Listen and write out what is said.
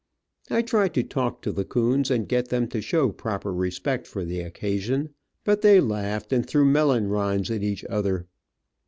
I tried to talk to the coons, and get them to show proper respect for the occasion, but they laughed and threw melon rinds at each other.